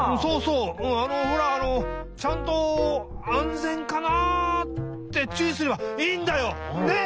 うんあのほらあのちゃんと安全かな？ってちゅういすればいいんだよ！ねえ？